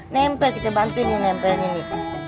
nempel kita bantuin nih nempel yang ini